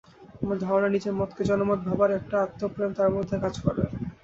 আমার ধারণা, নিজের মতকে জনমত ভাবার একটা আত্মপ্রেম তাঁর মধ্যে কাজ করে।